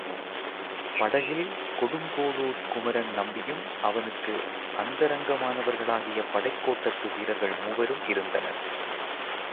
படகில் கொடுங்கோளுர் குமரன் நம்பியும் அவனுக்கு அந்தரங்கமானவர்களாகிய படைக் கோட்டத்து வீரர்கள் மூவரும் இருந்தனர்.